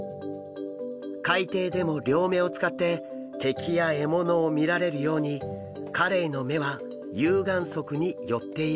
海底でも両目を使って敵や獲物を見られるようにカレイの目は有眼側に寄っているんです。